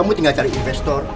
aku tinggal cari investor